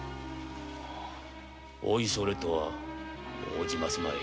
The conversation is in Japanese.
おいそれとは応じますまい。